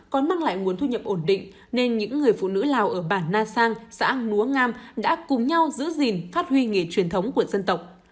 còn mang lại nguồn thu nhập ổn định nên những người phụ nữ lào ở bản na sang xã núa ngam đã cùng nhau giữ gìn phát huy nghề truyền thống của dân tộc